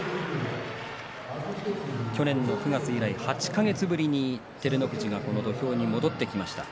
去年の９月以来８か月ぶりに照ノ富士がこの土俵に戻ってきました。